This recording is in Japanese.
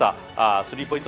スリーポイント